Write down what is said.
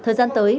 thời gian tới